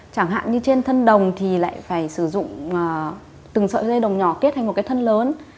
chẳng hạn như trên thân đồng thì lại phải sử dụng từng sợi dây đồng nhỏ kết thành một cái thân lớn